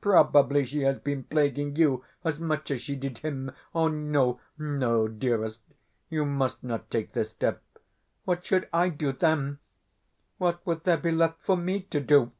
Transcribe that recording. Probably she has been plaguing you as much as she did him. No, no, dearest; you must not take this step. What should I do then? What would there be left for ME to do?